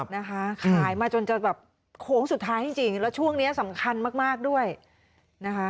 ค่ะขายมาจนจะแบบโขงสุดท้ายจริงแล้วช่วงนี้สำคัญมากด้วยนะคะ